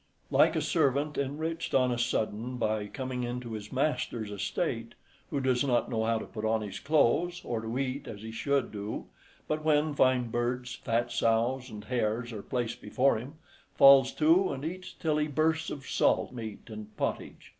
Like a servant enriched on a sudden by coming into his master's estate, who does not know how to put on his clothes, or to eat as he should do; but when fine birds, fat sows, and hares are placed before him, falls to and eats till he bursts, of salt meat and pottage.